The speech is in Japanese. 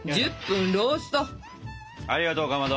ありがとうかまど！